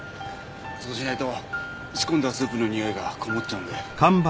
そうしないと仕込んだスープのにおいがこもっちゃうんで。